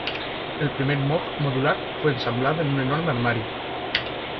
El primer Moog modular fue ensamblado en un enorme armario.